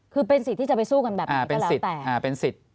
คือเป็นสิทธิ์ที่จะไปสู้กันแบบนี้ก็แล้วแต่เป็นสิทธิ์